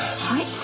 はい？